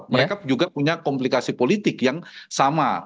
mereka juga punya komplikasi politik yang sama